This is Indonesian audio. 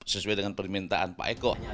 sesuai dengan permintaan pak eko